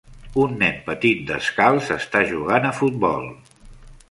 Un nen petit descalç està jugant a futbol.